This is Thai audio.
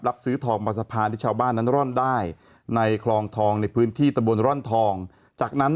รับซื้อสะพาน๓๕๔นั้นร่อนได้ในคลองทองพื้นที่ตะบนร่อนทองจากนั้น